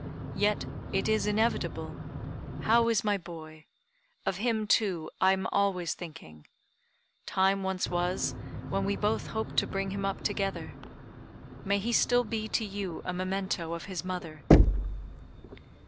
Yet, it is inevitable. How is my boy? Of him, too, I am always thinking. Time once was when we both hoped to bring him up together. May he still be to you a memento of his mother!"